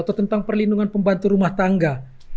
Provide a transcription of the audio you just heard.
atau tentang perlindungan pembantu rumah tangga